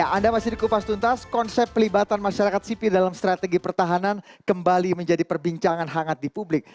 ya anda masih di kupas tuntas konsep pelibatan masyarakat sipil dalam strategi pertahanan kembali menjadi perbincangan hangat di publik